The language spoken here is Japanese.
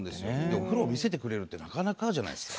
お風呂を見せてくれるってなかなかじゃないですか？